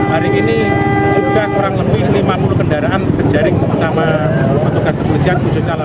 hari ini sudah kurang lebih lima puluh kendaraan terjaring sama petugas kepolisian